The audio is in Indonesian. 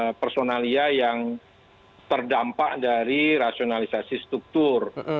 dan juga personalia yang terdampak dari rasionalisasi struktur